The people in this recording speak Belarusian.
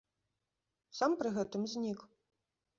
Сам пры гэтым знік.